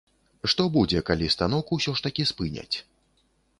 Што будзе, калі станок усё ж такі спыняць?